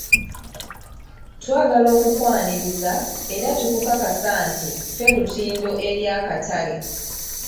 Twagala okukwaniriza era tukukakasa nti ffe lutindo eri akatale.